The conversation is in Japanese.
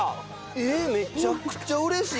ええっめちゃくちゃ嬉しい。